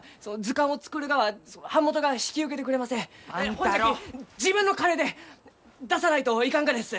ほんじゃき自分の金で出さないといかんがです！